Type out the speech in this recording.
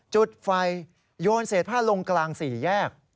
จุดไฟโยนเศษผ้าลงกลางสี่แยก